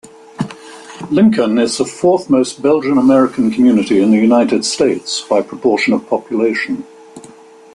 Lincoln is the fourth-most Belgian-American community in the United States, by proportion of population.